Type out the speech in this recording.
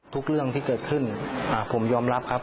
เรื่องที่เกิดขึ้นผมยอมรับครับ